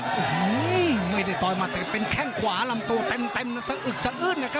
สำรรรณศักดิ์